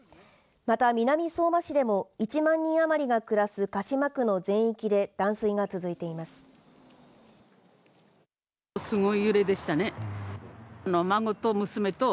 また、南相馬市でも１万人余りが暮らす鹿島区の全域で断水が続いています。